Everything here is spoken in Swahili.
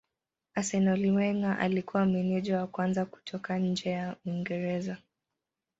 Arsenal Wenger alikuwa meneja wa kwanza kutoka nje ya Uingereza.